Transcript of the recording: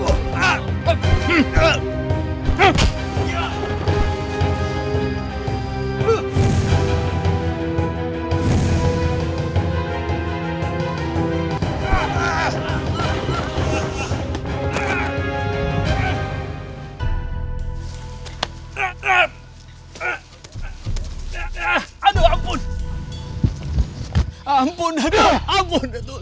aduh ampun datuk